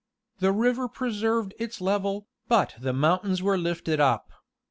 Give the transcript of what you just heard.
..... "The river preserved its level,. but the mountains were lifted up.